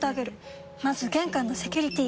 まず玄関のセキュリティ！